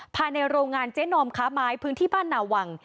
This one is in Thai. ภายในโรงงานเจ๊นอมค้าไม้พื้นที่บ้านนาวัง